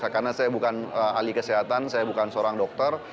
karena saya bukan ahli kesehatan saya bukan seorang dokter